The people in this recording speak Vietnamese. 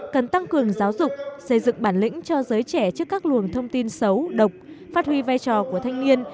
cần tăng cường giáo dục xây dựng bản lĩnh cho giới trẻ trước các luồng thông tin xấu độc phát huy vai trò của thanh niên